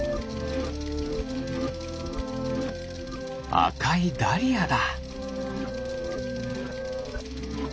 あかいダリアだ。